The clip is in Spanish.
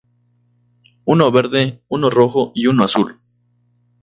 Uno verde, uno rojo y uno azul.